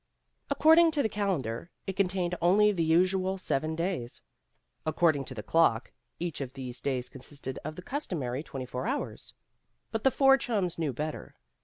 According to the calendar, it contained only the usual seven days. According to the clock, each of these days consisted of the customary twenty four hours. But the four chums knew better.